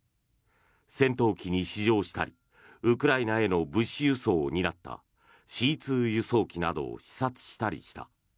戦闘機に試乗したりウクライナへの物資輸送を担ったＣ２輸送機などを視察したりした。